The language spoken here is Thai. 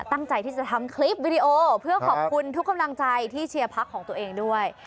ตั้งใจที่จะทำคลิปวิดีโอเพื่อขอบคุณทุกกำลังใจที่เชียร์พักของตัวเองด้วย